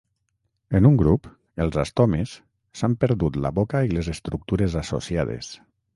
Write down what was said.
En un grup, els astomes, s'han perdut la boca i les estructures associades.